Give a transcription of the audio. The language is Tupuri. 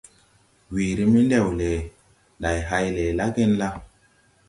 Weere mendewle, ndày hay le la genla?